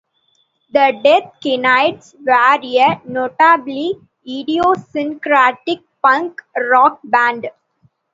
The Dead Kennedys were a notably idiosyncratic punk rock band.